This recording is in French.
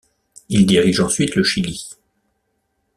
Il dirige ensuite le Chili.